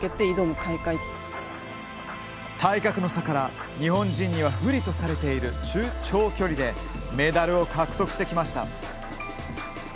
体格の差から、日本人には不利とされている中長距離でメダルを獲得してきました。